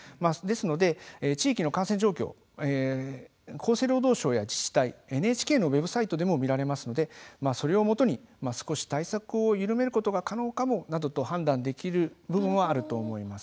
厚生労働省や自治体ＮＨＫのウェブサイトでも見られますので、それを基に少し対策を緩めることが可能かもなどと判断できる部分はあると思います。